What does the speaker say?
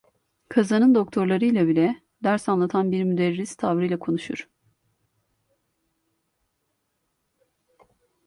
Kazanın doktorlarıyla bile, ders anlatan bir müderris tavrıyla konuşur…